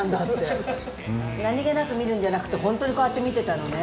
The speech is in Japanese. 何げなく見るんじゃなくてホントにこうやって見てたのね。